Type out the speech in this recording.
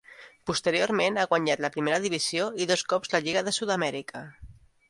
Posteriorment ha guanyat la primera divisió i dos cops la Lliga de Sud-amèrica.